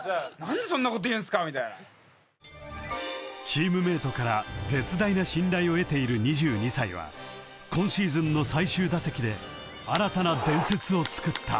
［チームメートから絶大な信頼を得ている２２歳は今シーズンの最終打席で新たな伝説をつくった］